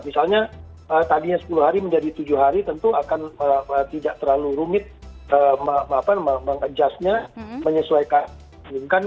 misalnya tadinya sepuluh hari menjadi tujuh hari tentu akan tidak terlalu rumit mengadjustnya menyesuaikan